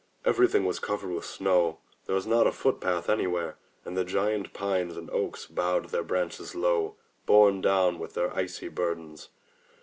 Everything was covered with snow. There was not a foot path anywhere, and the giant pines and oaks bowed their branches low, borne down with their icy burdens.